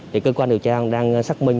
thì cơ quan điều tra đang xác minh